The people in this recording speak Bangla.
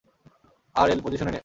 আরএল, পজিশনে নে!